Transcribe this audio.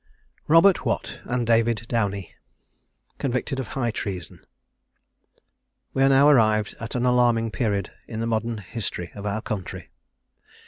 ROBERT WATT AND DAVID DOWNIE. CONVICTED OF HIGH TREASON. We are now arrived at an alarming period in the modern history of our country.